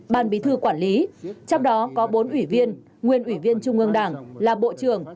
ban bí thư quản lý trong đó có bốn ủy viên nguyên ủy viên trung ương đảng là bộ trưởng